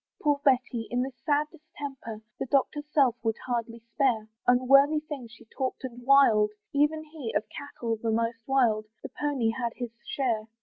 Poor Betty! in this sad distemper, The doctor's self would hardly spare, Unworthy things she talked and wild, Even he, of cattle the most mild, The pony had his share.